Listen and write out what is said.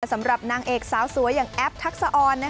สำหรับนางเอกสาวสวยอย่างแอปทักษะออน